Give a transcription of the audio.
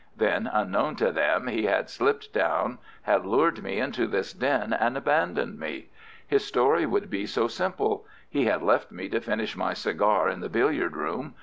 Then, unknown to them, he had slipped down, had lured me into this den and abandoned me. His story would be so simple. He had left me to finish my cigar in the billiard room.